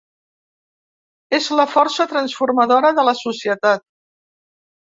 És la força transformadora de la societat.